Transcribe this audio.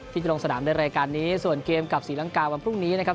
ที่จะลงสนามในรายการนี้ส่วนเกมกับศรีลังกาวันพรุ่งนี้นะครับ